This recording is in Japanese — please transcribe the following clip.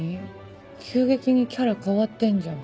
急激にキャラ変わってんじゃん。